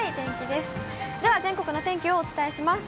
では全国の天気をお伝えします。